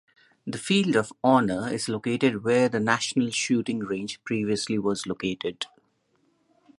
The field of honour is located where the national shooting range previously was located.